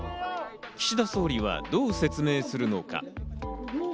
岸田総理はどう説明するのか？